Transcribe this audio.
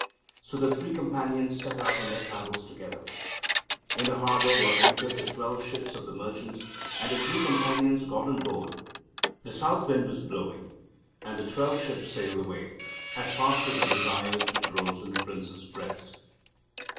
So the Three Companions set out on their travels together. In the harbour were anchored the twelve ships of the merchant, and the Three Companions got on board. The south wind was blowing, and the twelve ships sailed away, as fast as the desires which rose in the Prince's breast.